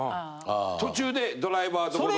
途中でドライバーどこどこ。